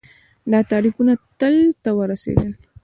دا تعریفونه تل ته ورورسېدل